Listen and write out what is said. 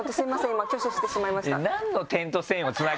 今挙手してしまいました。